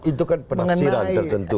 itu kan penafsiran tertentu